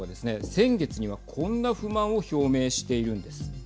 先月には、こんな不満を表明しているんです。